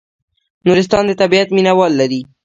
نورستان د طبیعت مینه وال لري